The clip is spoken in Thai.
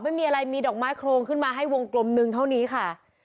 ไม่มีอะไรมีดอกไม้โครงขึ้นมาให้วงกลมหนึ่งเท่านี้ค่ะ